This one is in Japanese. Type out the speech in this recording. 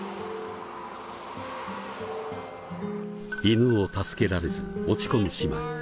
犬を助けられず落ち込む姉妹。